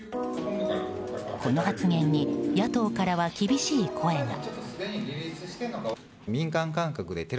この発言に野党からは厳しい声が。